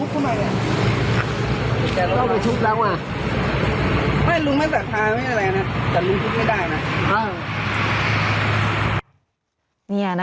ใครใครไปทุบอ่ะ